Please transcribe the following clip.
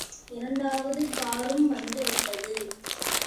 இரண்டாவது காரும் வந்துவிட்டது.